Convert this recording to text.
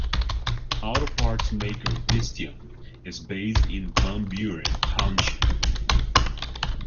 Auto parts maker Visteon is based in Van Buren Township.